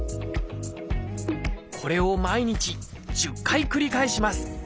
これを毎日１０回繰り返します